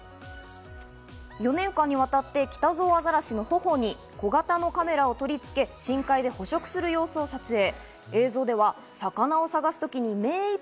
４年間にわたって、キタゾウアザラシの頬に小型のカメラを取り付け、深海で捕食する様子を撮影。